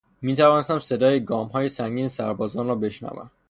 میتوانستم صدای گامهای سنگین سربازان را بشنوم.